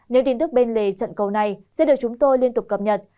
những tin tức bên lề trận cầu này sẽ được chúng tôi liên tục cập nhật